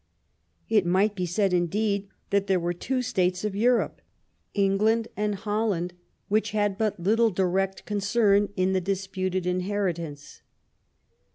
It might be said, indeed, that there were two states of Europe — England and Holland — ^which had but little direct con cern in the disputed inheritance.